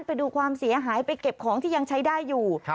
ไปดูความเสียหายไปเก็บของที่ยังใช้ได้อยู่